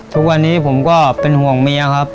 ทุกวันนี้ผมก็เป็นห่วงเมียครับ